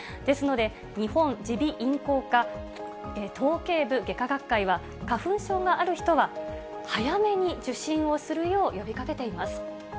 ですので、日本耳鼻咽喉科頭頸部外科学会は、花粉症がある人は早めに受診をするよう呼びかけています。